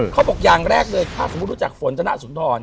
เขาบอกอย่างแรกเลยถ้าสมมุติรู้จักฝนธนสุนทร